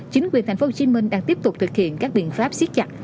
chính quyền tp hcm đang tiếp tục thực hiện các biện pháp siết chặt